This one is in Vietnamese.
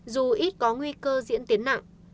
dù ít có nguy cơ diễn tiến nặng